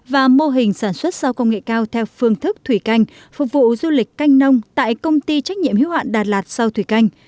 và mô hình sản xuất sao công nghệ cao theo phương thức thủy canh phục vụ du lịch canh nông tại công ty trách nhiệm hiếu hạn đà lạt sau thủy canh